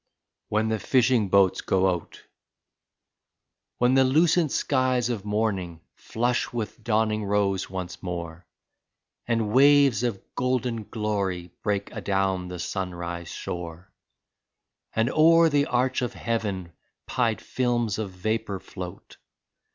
33 WHEN THE FISHING BOATS GO OUT When the lucent skies of morning flush with dawning rose once more, And waves of golden glory break adown the sunrise shore, And o'er the arch of heaven pied films of vapor float.